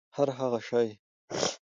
هرهغه شی